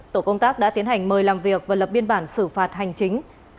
tổ công tác đã tiến hành mời làm việc và lập biên bản xử phạt hành chính